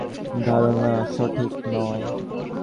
হাসতে হাসতে বললেন, আপনার ধারণা সঠিক নয়।